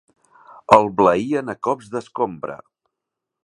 El bleïen a cops d'escombra.